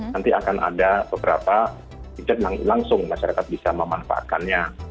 nanti akan ada beberapa jejak yang langsung masyarakat bisa memanfaatkannya